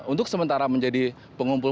untuk sementara menjadi pengumpul